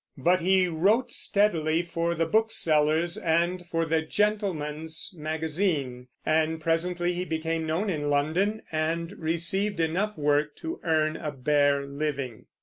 But he wrote steadily for the booksellers and for the Gentleman's Magazine, and presently he became known in London and received enough work to earn a bare living.